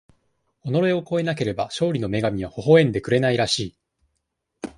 己を超えなければ、勝利の女神はほほえんでくれないらしい。